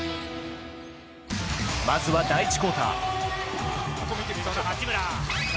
まずは第１クオーター。